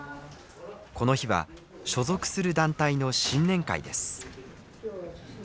この日は所属する団体の新年会です。